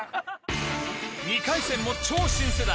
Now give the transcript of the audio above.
２回戦も超新世代